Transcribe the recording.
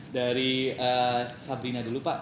dari sabrina dulu pak